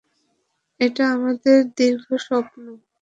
এটা আমাদের দীর্ঘ স্বপ্ন।